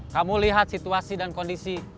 kamu lihat situasi dan kondisi